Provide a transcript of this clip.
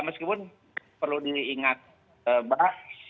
meskipun perlu diingat pak